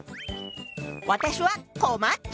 私はこまっち。